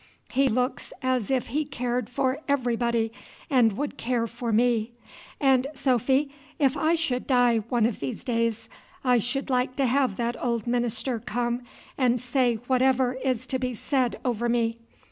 He looks as if he cared for everybody, and would care for me. And, Sophy, if I should die one of these days, I should like to have that old minister come and say whatever is to be said over me.